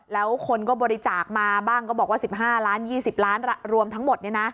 แล้วคนก็บริจาคมาบ้างก็บอกว่า๑๕ล้าน๒๐ล้านรวมทั้งหมด